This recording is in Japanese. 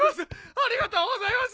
ありがとうございます。